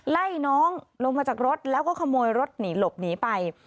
ไล่น้องลงมาจากรถแล้วก็ขโมยรถหนีหลบหนีไป